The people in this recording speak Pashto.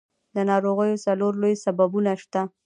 د ناروغیو څلور لوی سببونه شته.